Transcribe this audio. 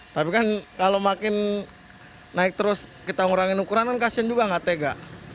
tapi kan kalau makin naik terus kita ngurangin ukuran kan kasian juga nggak tega